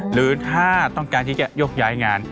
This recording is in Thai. หรือถ้าต้องการที่จะยกย้ายงาน